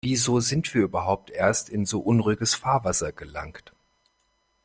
Wieso sind wir überhaupt erst in so unruhiges Fahrwasser gelangt?